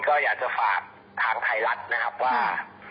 ก็อยากจะฝากทางไทยรัฐนะครับว่า